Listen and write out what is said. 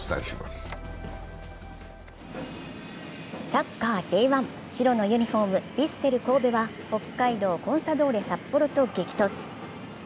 サッカーＪ１、白のユニフォーム・ヴィッセル神戸は北海道コンサドーレ札幌と激突。